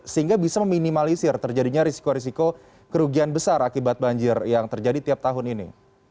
sehingga bisa meminimalisir terjadinya risiko risiko kerugian besar akibat banjir yang terjadi tiap tahun ini